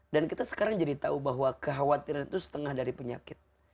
dan kita sekarang jadi tahu bahwa kekhawatiran itu setengah dari penyakit